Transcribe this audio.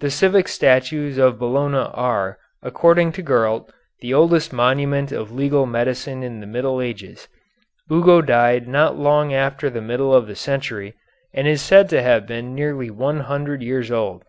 The civic statutes of Bologna are, according to Gurlt, the oldest monument of legal medicine in the Middle Ages. Ugo died not long after the middle of the century, and is said to have been nearly one hundred years old.